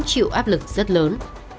chịu áp lực rất lớn